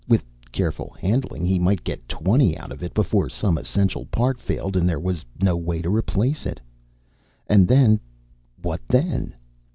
With careful handling he might get twenty out of it, before some essential part failed and there was no way to replace it. And then, what then?